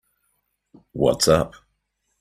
What's up?